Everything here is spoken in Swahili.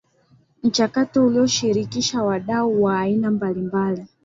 Mchakato ulishirikisha wadau wa aina mbalimbali